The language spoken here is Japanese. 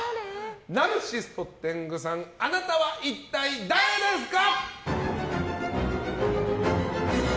ナルシシスト天狗さんあなたは一体誰ですか？